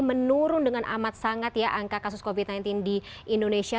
menurun dengan amat sangat ya angka kasus covid sembilan belas di indonesia